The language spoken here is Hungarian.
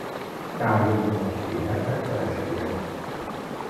Károly monacói herceg felesége.